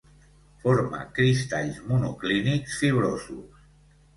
Forma cristalls monoclínics fibrosos.